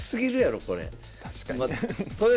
確かに。